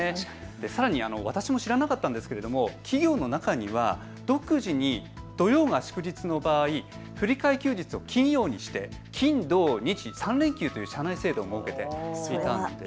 さらに私も知らなかったんですが企業の中には独自に土曜が祝日の場合、振り替え休日を金曜にして金土日３連休という社内制度を設けていたんです。